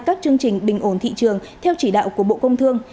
các chương trình bình ổn thị trường theo chỉ đạo của bộ công thương